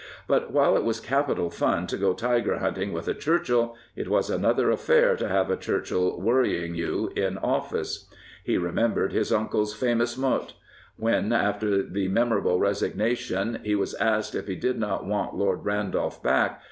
But while it was capital fun to go tiger hunting with a Churchill, it was another affair to have a Churchill worrying you in ofiSce. He remembered his uncle's famous mot. When, after the memorable resignation, he was asked if he did not want Lord Randolph back.